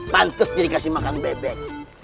pantes diri kasih makan bebek